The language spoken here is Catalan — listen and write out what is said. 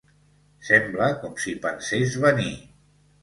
Sembla com si pensés venir.